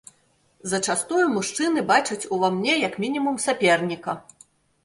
Зачастую мужчыны бачаць у ва мне як мінімум саперніка.